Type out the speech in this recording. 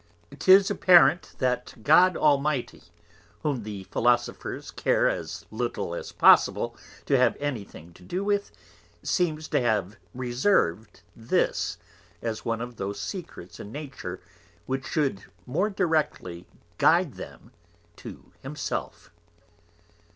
'Tis apparent, that God Almighty, whom the Philosophers care as little as possible to have any thing to do with, seems to have reserv'd this, as one of those Secrets in Nature which should more directly guide them to himself.